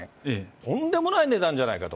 とんでもない値段じゃないかと。